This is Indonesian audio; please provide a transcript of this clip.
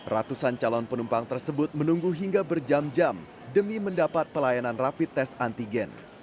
ratusan calon penumpang tersebut menunggu hingga berjam jam demi mendapat pelayanan rapid test antigen